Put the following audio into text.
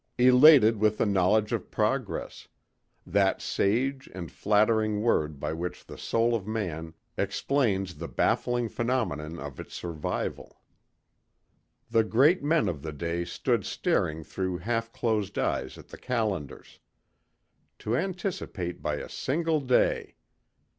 Elated with the knowledge of progress that sage and flattering word by which the soul of man explains the baffling phenomenon of its survival. The great men of the day stood staring through half closed eyes at the calendars. To anticipate by a single day!